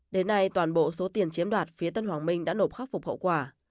đến nay toàn bộ số tiền chiếm đoạt phía tân hoàng minh đã nộp khắc phục hậu quả